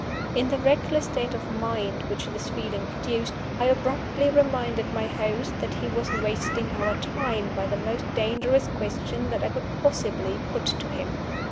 In the reckless state of mind which this feeling produced, I abruptly reminded my host that he was wasting our time, by the most dangerous question that I could possibly put to him.